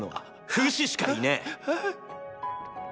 フシしかいねェ！